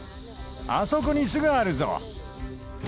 あそこに巣があるぞ。